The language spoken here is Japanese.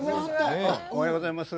おはようございます。